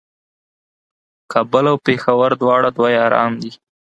کابل او پېښور دواړه دوه یاران دي